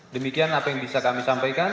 demikian apa yang bisa kami sampaikan